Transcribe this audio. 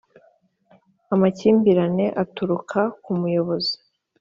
amakimbirane aturuka ku muyobozi